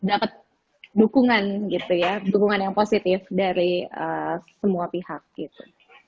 jadi harapannya sih memang kita dapat dukungan gitu ya dukungan yang positif dari semua pihak gitu